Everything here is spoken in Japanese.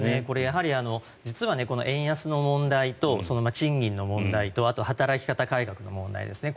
実は円安の問題と賃金の問題とあと働き方改革の問題ですね。